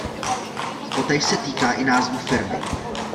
Totéž se týká i názvu firmy.